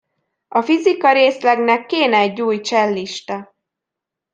A fizika részlegnek kéne egy új csellista.